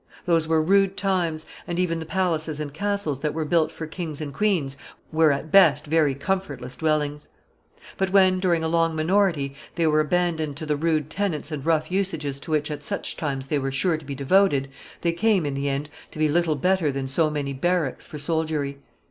Those were rude times, and even the palaces and castles that were built for kings and queens were at best very comfortless dwellings. But when, during a long minority, they were abandoned to the rude tenants and rough usages to which at such times they were sure to be devoted, they came, in the end, to be little better than so many barracks for soldiery.